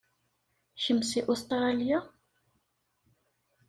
Kemm seg Ustṛalya?